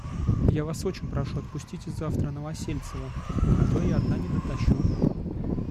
Я Вас очень прошу, отпустите завтра Новосельцева, а то я одна не дотащу.